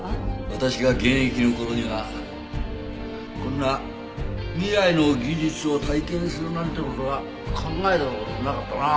私が現役の頃にはこんな未来の技術を体験するなんて事は考えた事もなかったな。